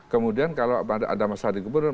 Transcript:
kemudian kalau ada masalah di gubernur